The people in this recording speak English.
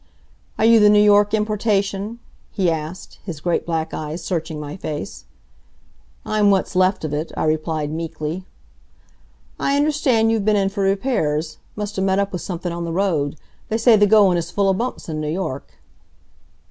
"Are you the New York importation?" he, asked, his great black eyes searching my face. "I'm what's left of it," I replied, meekly. "I understand you've been in for repairs. Must of met up with somethin' on the road. They say the goin' is full of bumps in N' York."